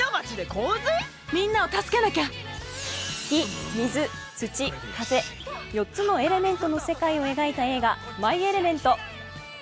火・水・土・風４つのエレメントの世界を描いた映画「マイ・エレメント」。